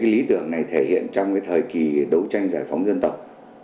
lý tưởng này thể hiện trong thời kỳ đấu tranh giải phóng dân tộc